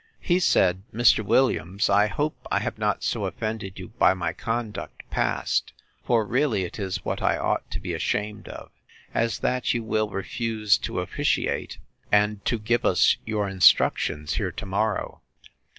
He said, Mr. Williams, I hope I have not so offended you by my conduct past, (for really it is what I ought to be ashamed of,) as that you will refuse to officiate, and to give us your instructions here to morrow.